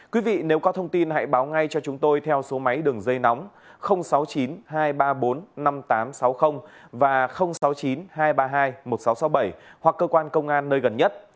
quý vị nếu có thông tin hãy báo ngay cho chúng tôi theo số máy đường dây nóng sáu mươi chín hai trăm ba mươi bốn năm nghìn tám trăm sáu mươi và sáu mươi chín hai trăm ba mươi hai một nghìn sáu trăm sáu mươi bảy hoặc cơ quan công an nơi gần nhất